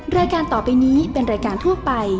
รายการต่อไปนี้เป็นรายการทั่วไป